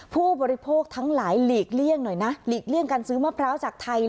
ผู้บริโภคทั้งหลายหลีกเลี่ยงหน่อยนะหลีกเลี่ยงการซื้อมะพร้าวจากไทย